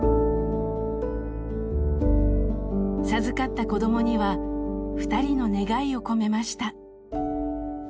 授かった子どもにはふたりの願いを込めました。